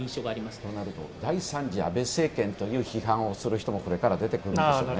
となると第３次安倍政権という批判をする人も、これから出てくるでしょうね。